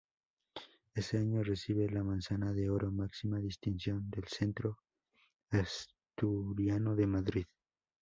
Ese año recibe la Manzana de Oro, máxima distinción del Centro Asturiano de Madrid.